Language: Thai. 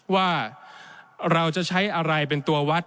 ว่าเราจะใช้อะไรเป็นตัววัด